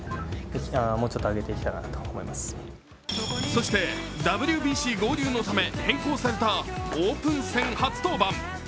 そして、ＷＢＣ合流のため変更されたオープン戦初登板。